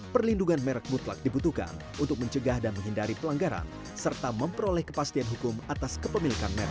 perlindungan merek mutlak dibutuhkan untuk mencegah dan menghindari pelanggaran serta memperoleh kepastian hukum atas kepemilikan merek